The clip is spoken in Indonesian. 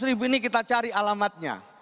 delapan ratus ribu ini kita cari alamatnya